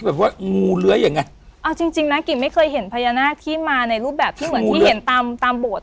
แบบว่างูเลื้อยยังไงเอาจริงจริงนะกิ่งไม่เคยเห็นพญานาคที่มาในรูปแบบที่เหมือนที่เห็นตามตามโบสถ